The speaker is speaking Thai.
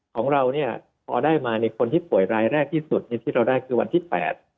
ของเราเนี่ยพอได้มาเนี่ยคนที่ป่วยรายแรกที่สุดที่เราได้คือวันที่๘